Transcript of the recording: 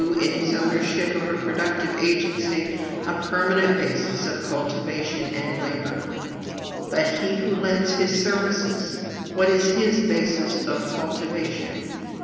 In his ownership of a productive agency, a permanent basis of cultivation and labor. But he who lends his services, what is his basis of cultivation?